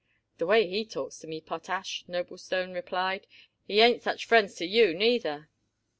"The way he talks to me, Potash," Noblestone replied, "he ain't such friends to you neither."